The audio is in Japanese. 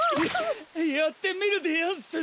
ややってみるでやんす。